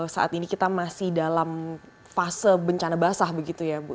saat ini kita masih dalam fase bencana basah begitu ya bu